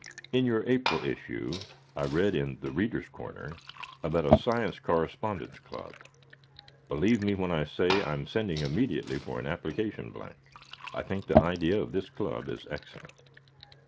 In your April issue I read in "The Readers' Corner" about a Science Correspondence Club. Believe me when I say I'm sending immediately for an application blank. I think the idea of this club is excellent.